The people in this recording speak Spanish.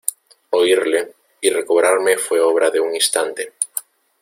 oírle y recobrarme fué obra de un instante.